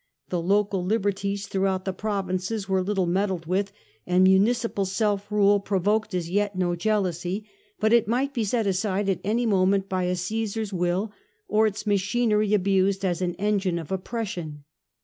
The local liberties throughout the provinces were little meddled with, and municipal self rule provoked, as yet, no jealousy ; but it might be set aside at any moment by a CaesaPs will, or its machinery abused as an engine of oppression.